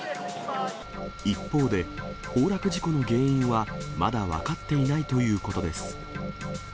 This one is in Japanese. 一方で、崩落事故の原因はまだ分かっていないということです。